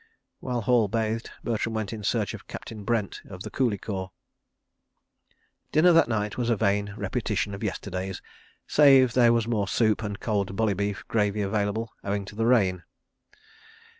..." While Hall bathed, Bertram went in search of Captain Brent of the Coolie Corps. Dinner that night was a vain repetition of yesterday's, save that there was more soup and cold bully beef gravy available, owing to the rain.